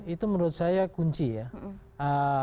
itu menurut saya kunci ya